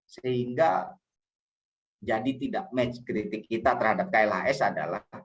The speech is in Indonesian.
sehingga jadi tidak match kritik kita terhadap klhs adalah